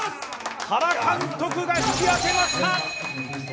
原監督が引き当てました！